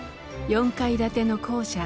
４階建ての校舎